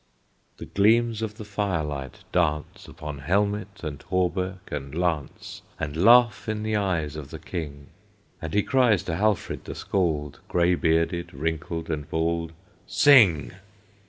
The gleams of the fire light dance Upon helmet and hauberk and lance, And laugh in the eyes of the King; And he cries to Halfred the Scald, Gray bearded, wrinkled, and bald, "Sing!"